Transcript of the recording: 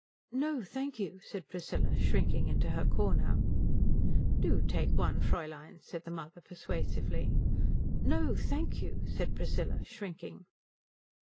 "No thank you," said Priscilla, shrinking into her corner. "Do take one, Fräulein," said the mother, persuasively. "No thank you," said Priscilla, shrinking.